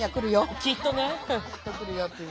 きっとね。